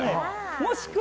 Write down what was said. もしくは？